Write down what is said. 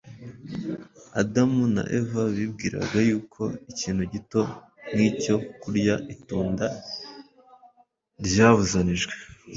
Adamu na Eva bibwiraga yuko ikintu gito nk’icyo kurya itunda ryabuzanijwe,